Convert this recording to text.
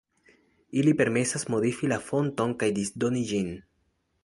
Ili permesas modifi la fonton kaj disdoni ĝin.